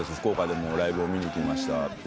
福岡でもライブを見に行きました。